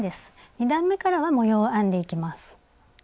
２段めからは模様を編んでいきます。